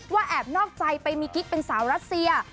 แอบนอกใจไปมีกิ๊กเป็นสาวรัสเซีย